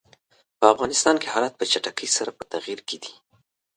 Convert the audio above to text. په افغانستان کې حالات په چټکۍ سره په تغییر کې دي.